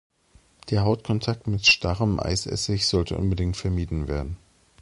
Der Hautkontakt mit starrem Eisessig sollte unbedingt vermieden werden.